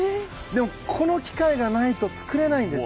この機械がないと作れないんです。